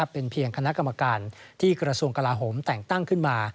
เป็นเพียงคณะกรรมการที่กระทรวงกลาโหมแต่งตั้งขึ้นมา